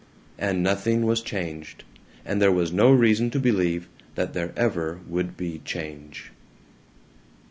And nothing was changed, and there was no reason to believe that there ever would be change.